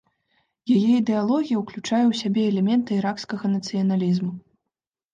Яе ідэалогія ўключае ў сябе элементы іракскага нацыяналізму.